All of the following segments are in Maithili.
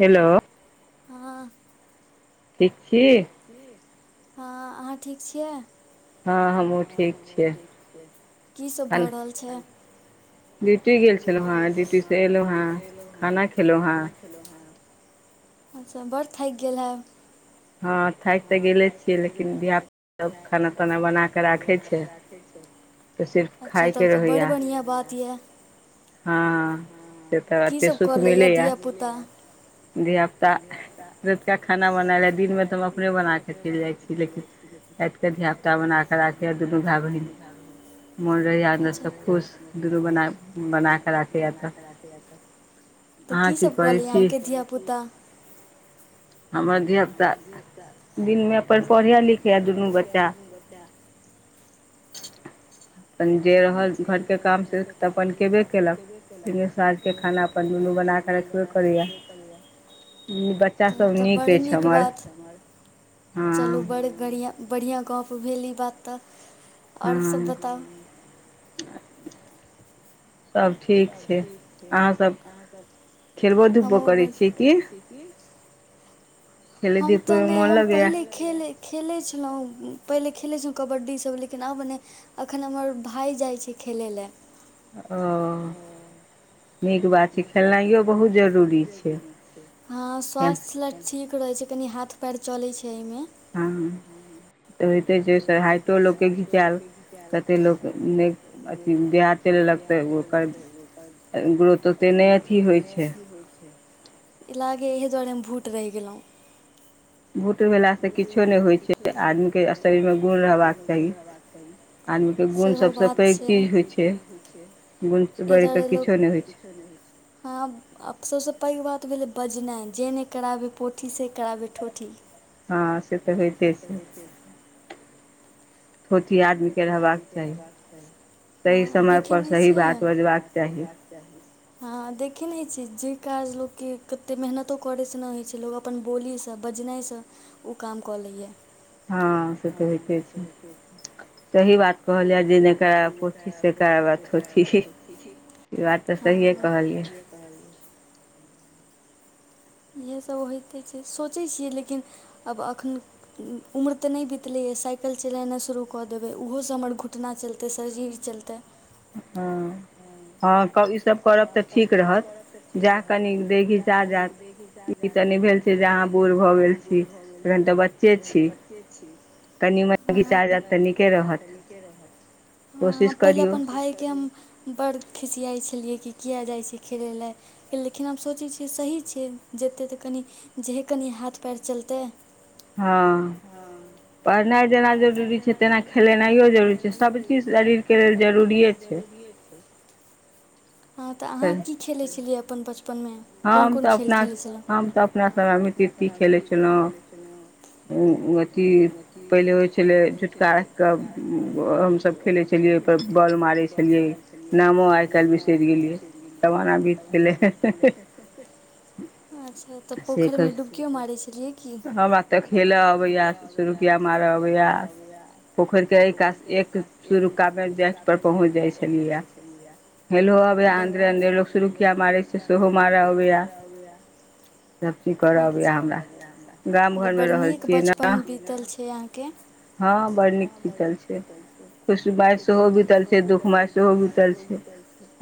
हेलो हँ ठीक छी हाॅं अहाँ ठीक छियै? हाॅं हमहुँ ठीक छियै। की सब भऽ रहल छै? ड्यूटी गेल छलौं हें ड्यूटी से एलौ हें खाना खेलौ हें अच्छा बड़ थाकि गेल हैब हँ थाकि तऽ गेले छियै लेकिन धियाप यैह सभ खाना बना बना कऽ राखैत छै। अच्छा तब तऽ बड़ बढ़िया बात ये हँ से तऽ अते सुख मिलैया धियापुता रतिका खाना बनालए दिनमे तऽ हम अपने बनाकऽ चलि जाइ छी लेकिन रातिके धियाापुता बना कऽ राखै यै दुनू भाय बहीन मोन रहैयै अन्दरस खुश दुनू बना दुनु बनाक बनाक राखैयै तऽ, तऽ की सब कऽ लैयै अहाँके धिया पुता हमर धियापुता दिनमे अपन पढ़ैयै लिखैयै दुनू बच्चा हमत [unintelligible] अपन जे रहल घरके काम से त अपन केबे केलक लेकिन साँझके खाना खाना पानी बना क रतिय के त बड़ नीक बात, चलू बड़ बढ़िआँ, बढ़िआँ गप्प भेल ई बात त, और सभ बताउ। सभ ठीक छै अहाँसभ खेलबो धुपबो करै छियै की? हम त नहि हम पहिले खेलै खेलै छलहुँ पहिले, खेलै छलहुँ कबड्डीसभ, लेकिन आब नै। एखन हमर भाय जाइत छै खेलय लेल। ओ। त बहुत जरूरी, हँ स्वास्थ्य ले ठीक। रहै छै कनि हाथ पैर चलैत छै एहिमे। हुं। त होइते छै से हाइटो लोककेँ घिचायल कतेक लोक नहि अथि क जे आ त लगतै गो त [unintelligible] ओ ते तेहने अथि होइ छै। इ लागे एहिे दुआरे हम भूट रहि गेलहुँ। भूट भेलासे किछो नहि होइ छै आदमी के आदमीके शरीरमे गुन रहबाक चाही। सेहो बात छै एहि दुआरे लोक हँ। आब सभसँ पैघ बात भेलै बजनाइ, जे नहि कराबै पोठी से कराबै ठोठी। हँ से त होइते छै। ठोठी आदमीके रहबाक चाही। सही समय पर सही बात बजबाक चाही। हँ देखे नहि छियै जे काज लोकके कते मेहनतो करैसँ नहि होइ छै लोक अपन बोलीसँ बजनाइसँ ओ काम क लैए। हँ से त होइते छै, सही बात सही बात कहल जाय ज नहि त ई बात त सहिए कहलियै। त। [inaudible] इएह सब होइते छै, सोचै छियै लेकिन आब अखन उम्र त नै बितलैए साइकिल चलेनाइ शुरू क देबै, ओहोसँ हमर घुटना चलतै शरीर चलतै हँ हँ कहु ई सब करब त ठीक रहत जैह कनी देह खींचा जायत। ई त नै भेल छै जे अहाँ बूढ़ भ गेल छी, तखन त बच्चे छी। कनि मनी घीचा जायत त नीके रहत। ठीके रहै। हँ पहिले अपन भाइ के हम बड़ खिसियाइ छलियै। कि किया जाइ छै खेलै ले। लेकिन हम सोचै छियै सही छै जेतै त कनि हाथ पैर चलतै। हँ। हँ। पढ़नाइ जेना जरूरी छै तेना खेलेनायो जरूरी छै सब चीज शरीर के लेल जरूरीे छै। जरूरीए छै। [inaudible] हँ त अहाँ की खेलै छलियै अपन बचपनमे कोन कोन खेल खेलैत छलहुँ, अपना समय मे की की खेलैत छलहुँ अथि पहिले छलै झुटका क हमसभ खेलै छलियै ओहि पर बॉल मारै छलियै नामो आइ काल्हि बिसरि गेलियै जमाना बीत गेलै। अच्छा त पोखरि मे डुबकियो मारै छलियै। हमरा त खेल अबैये शुरुकिया मार शुरुकिया मार अबैये। पोखर के एक एक सरुका मे जाठि पर पहुँच जाइ छलियैये। ै [inaudible] हेलो अबैये, अन्दरे अन्दर लोग शुरूकिया मारै छै सेहो मार अबैये। होगैा [unintelligible] सभचीज कर अबैये हमरा मतलब बड़ नीक बचपन बीतल छै अहाँके। हँ बड़ नीक बीतल छै। खुशमय सेहो बितल छै दुःखमय सेहो बितल छै,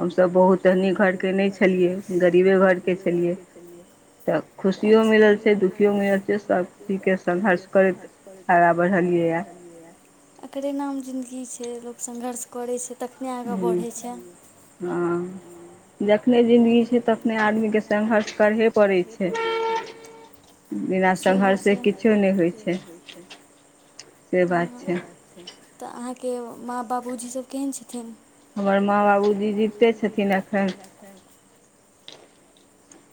हमसभ बहुत त बहुत एही घरके नहि छलियै गरीबे घरके छलियै। त खुशियो मिलल छै दुखियो मिलल छै सभ चीज के संघर्ष करैत हरा एकरे नाम जिन्दगी छै लोक संघर्ष करै छै। तखने आगाँ बढ़ैत छै। जखने जिन्दगी छै तखने आदमीके संङ्घर्ष करहे पड़ै छै। बिना संघर्षे किछो नहि होइ छै, से बात छै। त अहाँके माँ बाबूजी सभ केहन छथिन। हमर माँ बाबूजी जीविते छथिन एखैन।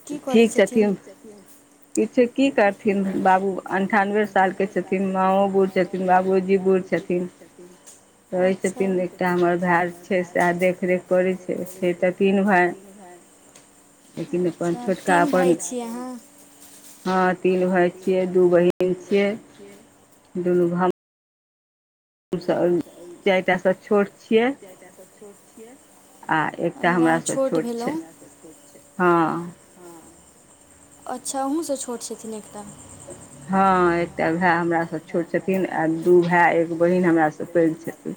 की करै छथिन। किछु की करथिन बाबू अन्ठानवे साल के छथिन माओ बु न बीचति अभुधी पीटति [unintelligible] अच्छा, बहिन छै एकटा हमर भाए छै देखरेख करैत छै। अच्छा तीन भाय छियै अहाँ। ह तीन भाय छियै दू बहन छियै दुनू ह क क सब छोट छै [unintelligible] हमरा अहां छोट भेलहुँ। हं अच्छा अहूँसँ छोट छथिन एकटा। हँ एकटा भाय हमरा से छोट छथिन आ दू भाय एक बहिन हमरासे पैघ छथिन।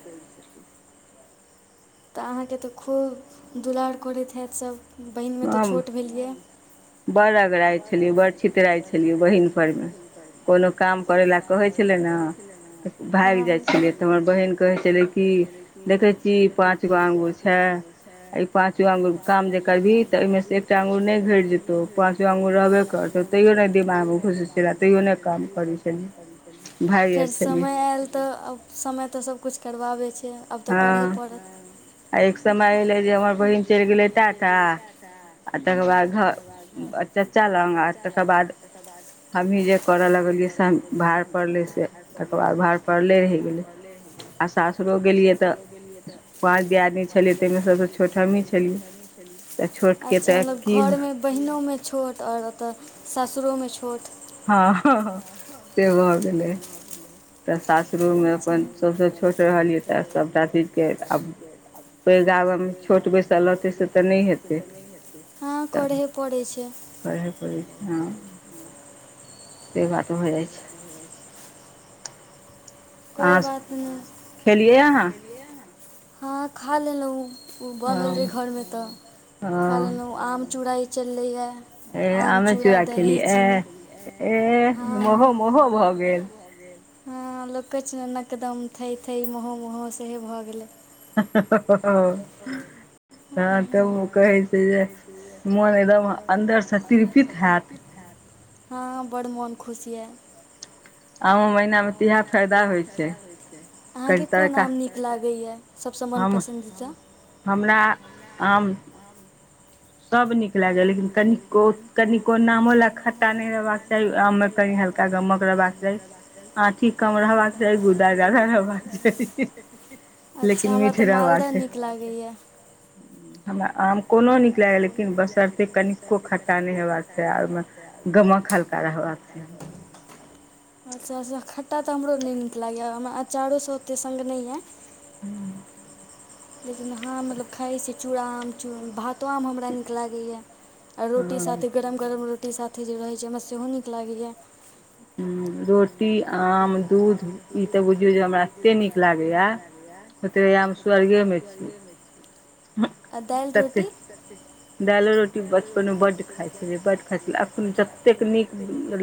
त अहाँके त खूब दुलार करैत हैत सभ। बहिनमे त छोट भेलियै। बड़ अगराय छलियै, बड़ छितराय छलियै बहिन पर, कोनो काम करै ल कहै बुझलियै न, भागि जाइ छलियै, तैपर बहिन कहै छलै कि देखै छिही पांच गाम मे छै, ऐ पांचगाम मे काज नै करबिही त नहि भेट जेतै त ने दिमाग भै तै काम कर [unintelligible] फेर समय आयल त, समय त सभकुछ करबाबै छै आब त करैत पर आ एक समय एलै जे हमर बहिन चैल गेलै टाटा। आ तकर बाद घर उम्म आ चच्चा लंग आ तकर बाद हमी जे करऽ लगलियै संग भार पड़लै से तकर बाद भार पड़ले रैह गेलै आ सासुरो गेलियै तऽ जो गेलिये अच्छा मतलब घरमे बहिनो मे छोट और ओता सासुरो मे छोट। हां हां से भ गेलै। तऽ सासुरो मे अपन सबसे छोट रहलियै तऽ सबटा चीजके आब पैग आगे मे छोट बैसल रहतै से तऽ नै हेतै त पड़ै छै। करा पड़ै छै, हां। ते बात होय जाय छै। कोय बात नै हां खा लेलौ उ उ बनल रहे घर मे तऽ खा लेलौ आम, चूड़ा ई चललैया। ए आमे चूड़ा खेली, ऐह एह महो-महो भऽ गेल। हां लोक कहै छै नै नकदम थय थय महो-महो सेह भऽ गेलै। ओ। तहन त उ कहै छै जे मोन एकदम अन्दर से तिरपित हैत। [inaudible] हां बड़ मोन खुश या। आमा महिनामे तऽ इहाए फायदा होय छै। अहाँके कोन आम नीक लागैया, सबसे मनपसन्दीदा। हमरा आम सब निक लागै लेकिन कनि को कनिको नामो ले खट्टा नै रहबाक चाही, आम मे कनि हल्का गमक रहबाक चाही, आठी कम रहबाक चाही, गुदा जादा रहबाक चाही। अच्छा हमरा तऽ मालदअ नीक लागैया। हमरा आम कोनो निक लाए लेकिन बसरते कनिको खट्टा नै हेबाक चाह आ ओयमे गमक हल्का रहबाक चाही। [inaudible] अच्छा-अच्छा खट्टा तऽ हमरो नै नीक लागैया, हमरा अचारो से ओते संग नै या। हां। लेकिन हां मतलब खाय छीये चूड़ा आम चु भातो आम हमरा नीक लागैया। आ रोटी साथे गरम-गरम रोटी साथे जे रहै छै हमरा सेहो नीक लागैया। हुं रो टी, आम, दूध ई तऽ बुझियौ जे हमरा एते नीक लागैया। होएत रहैया हम स्वर्गेमे छी। आ दाएल रोटी दाएलो रोटी बचपन मे बड खाए छलै, बड खाए छलै, अखन जतेक नीक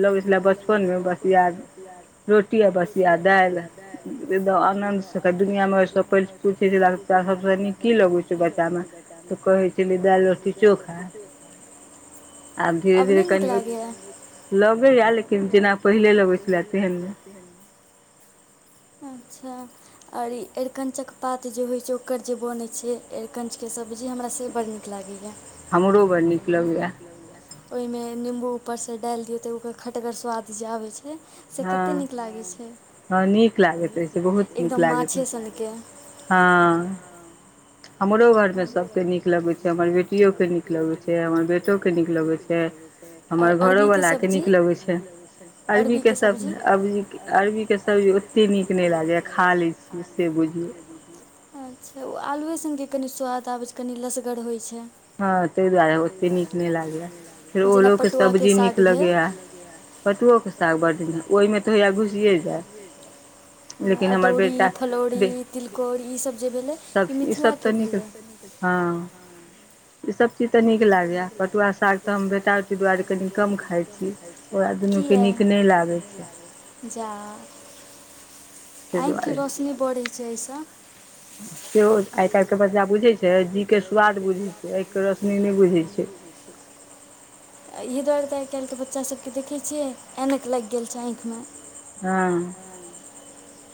लगै लाए बचपन मे बस याद याद रोटी आ बसिया दाएल एकदम आनन्द सेके दुनिया मे ओय से पै पूछै छै [unintelligible] तोरा सबसे नीक की लगे छो। की लगै छै बैटा मे त कहै छै [unintelligible] अब नहि नीक लागैये पहिल लेते केहेन, अच्छा और ई अरिकंचक पात जे होय छै ओकर जे बनय छै एरिकंच के सब्जी हमरा से बढ़िया नीक लागैये ओहिमे निम्बू ऊपरसँ डालि दियौ त ओकर खटगर स्वाद जे आबै छै। से कते नीक लागै छै, एकदम माछे सनके हां। हमरो घरमे सभके नीक लगै छै, हमर बेटियोके नीक लगै छै हमर बेटोके नीक लगै छै। हमर घरोवलाके नीक लगैत छै, अरबीके सब्जी अरजी अरबीके सब्जी ओतेक नीक नहि लागैए खा लैत छियै से बुझियौ अच्छा ओ आलुए सन कनि स्वाद आबैत छै कनि लसगर होइ छै। जेना पटुआके साग भेल पतुओ के साग बड़ दिब, ओहिमे त होइये घुसिये जाय। अदौड़ी, फुलौरी, तिलकोरी ईसभ जे भेलै ई मिथिला के तनिक हँ। ईसभ चीज त नीक लागैए, पटुआ साग त हम बेटा दुआरे कनि कम खाइ छी। किये। जा, आँखिके रोशनी बढ़ैत छै एहिसे। सेहो आइ काल्हि के बच्चा बुझे छै जी के स्वाद बुझै छै [inaudible] [inaudible] एहि दुआरे त आइ काल्हिके बच्चा सभ के देखैत छियै ऐनक लागि गेल छै आँखिमे। हँ।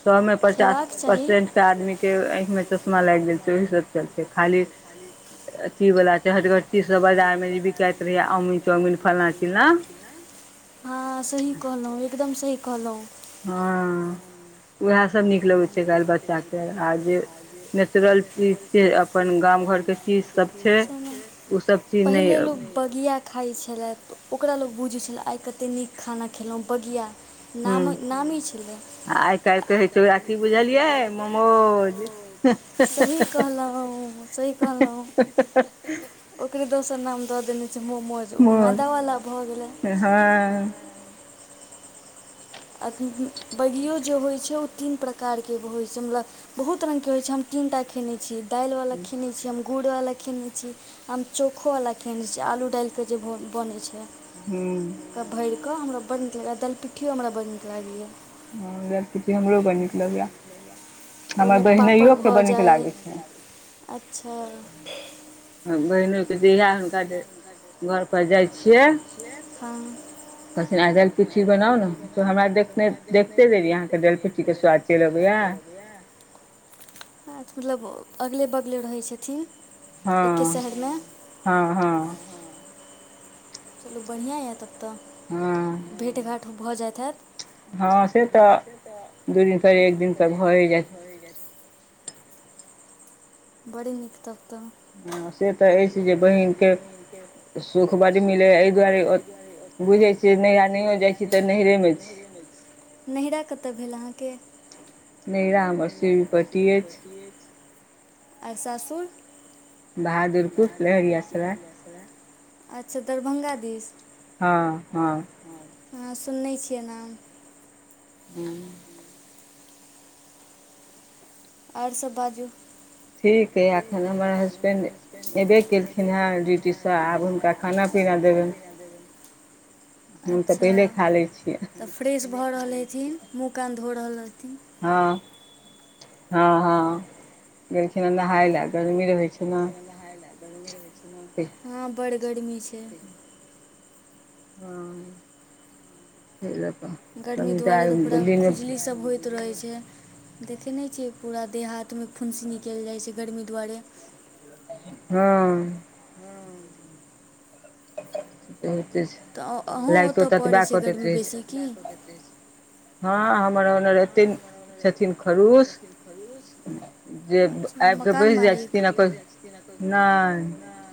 सौ मे पचास परसेंट के आदमी के आँखि मे चश्मा लागि गेल छै ओहि सब चलते, खाली [inaudible] अथिवला चीजसभ बाजारमे जे बिकाइत रहैए आमीन चाउमिन फल्लाँ चिल्लाँ हँ सही कहलहुँ एकदम सही कहलहुँ। हँ। वैहसभ नीक लगैत छै आई काल्हि के बच्चाके आर जे नेचुरल चीज से अपन गाम घरके चीज सब छै ओसब चीज नहि बगिया खाइत छलै त ओकरा लोक बुझैत छलै आइ कते नीक खाना खेलहुँ बगिया। नाम नामी छलै। आ आइ काल्हि कि कहै छै ओकरा की बुझलियै ममोज। [unintelligible] ओकरे दोसर नाम दऽ देने छै ममोज मैदावला भ गेलै। हँ। बगियो जे होइ छै ओ तीन प्रकारके होइ छै मतलब बहुत रंग के होइ छै हम तीन टा खेने छी दालि वाला खेने छी हम गुड़वाला खेने छी हम चोखोवला खेनै छी आलू डालि क जे बनैत छै। हुं। के भरि क हमरा बड़ नीक लागैए, दालिपिट्ठिओ हमरा बड़ नीक लगैये। हँ हमरो बड नीक लगैये। बगिया। हमर बहिनैयोके बड नीक लागै छैन। अच्छा। बहनोके जहिएह हुनका जे घरपर जाइ छियै। हँ। कहती अहा दलिपिट्ठी बनाउ ने त हमरा देखने देखते देबी अहाँके दलिपिट्ठीके स्वाद। कत चारके लगए। [inaudible] मतलब अगले बगले रहै छथिन। हँ हँ हँ। चलू बढ़िआँ यऽ तब तऽ भेट घाट भऽ जाइत हैत। हँ से तऽ दू दिन पर एक दिन त भए जाइ छै। बड़ी नीक तब तऽ। हँ से तऽ अछि जे बहिनके [inaudible] सुख बड्ड मिलै हइ एहि दुआरे ओ बुझै छियै नैहरा नहिओ जाइ छी तऽ नैहिमे छी। नैहरा कतय भेल अहाँके। नैरा हमर शिवीपटि अछि। आ सासुर। बहादुरपुर लेहरिया छलराय। अच्छा दरभंगा दिस। हँ हँ। हँ सुनने छियै नाम। [unintelligible] आओर सब बाजू। ठीक अइ एखन हमर हसबैंड एबे केलखिन हेँ ड्यूटीसँ आब हुनका खाना पिना। हम तऽ पहिले खा लै छियै। फ्रेश भऽ रहल हथिन मुँह कान धो रहल हथिन। हँ। हँ। गेलखिन हन नहाय लए गरमी रहै छै ने। हँ बड़ गर्मी छै। हँ। इ लऽ कऽ। गर्मी दुआरे तऽ पूरा खुजलीसभ होइत रहैत छै। देखै नहि छियै पूरा देह हाथमे फुंसी निकलि जाइ छै गर्मी दुआरे। हँ। हं लाइटो ततबा कटैत रहै छै। हँ हमर ऑनर एते छथिन खरुश जे आबि कऽ बैस जाइ छथिन--नहि